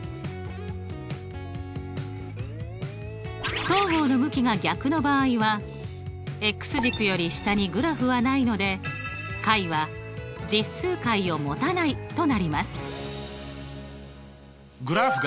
不等号の向きが逆の場合は軸より下にグラフはないので解は実数解をもたないとなります。